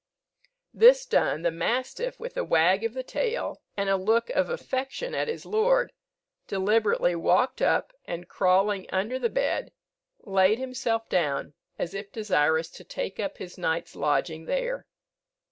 This done, the mastiff, with a wag of the tail, and a look of affection at his lord, deliberately walked up, and crawling under the bed, laid himself down, as if desirous to take up his night's lodging there.